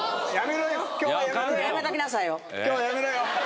今日はやめろよ。